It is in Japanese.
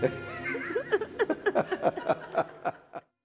ハハハハ！